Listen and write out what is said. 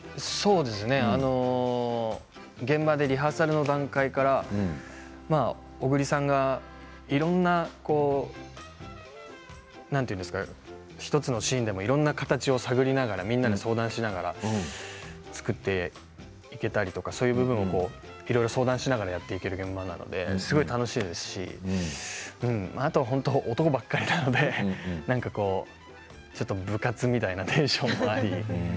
現場でリハーサルの段階から小栗さんがいろんな、何て言うんですか１つのシーンでもいろんな形を探りながらみんなで相談しながら作っていけたりとか、そういう部分をいろいろ相談しながらやっていける現場なのですごい楽しいですしあとは、男ばかりなのでちょっと部活みたいなテンションもあり。